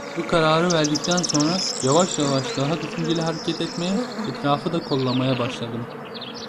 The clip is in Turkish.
Bu kararı verdikten sonra yavaş yavaş daha düşünceli hareket etmeye, etrafı da kollamaya başladım.